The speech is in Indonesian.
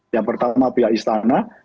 yang pertama pihak istana